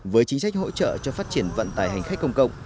với chính sách hỗ trợ cho phát triển vận tải hành khách công cộng